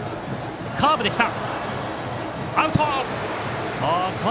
カーブでした。